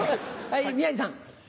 はい宮治さん。